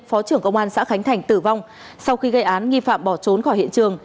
phó trưởng công an xã khánh thành tử vong sau khi gây án nghi phạm bỏ trốn khỏi hiện trường